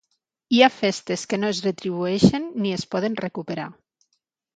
Hi ha festes que no es retribueixen ni es poden recuperar.